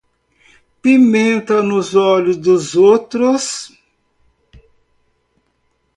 Pimenta nos olhos dos outros